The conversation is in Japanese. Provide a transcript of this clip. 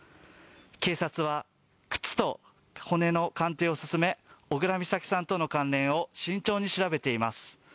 警察は、靴と骨の鑑定を進め小倉美咲さんとの関連を慎重に調べています。